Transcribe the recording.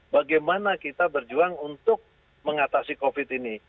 bagaimana kita berjuang untuk mengatasi covid ini